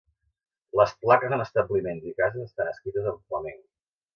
Les plaques en establiments i cases estan escrites en flamenc